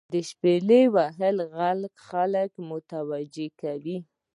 • د شپیلو وهلو ږغ خلک متوجه کوي.